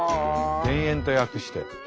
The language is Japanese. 田園と訳してる。